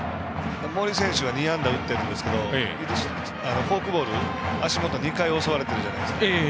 森選手２安打打ってますがフォークボール、足元２回襲われてるじゃないですか。